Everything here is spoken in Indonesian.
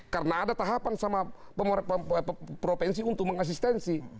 karena ada tahapan sama provinsi untuk mengasistensi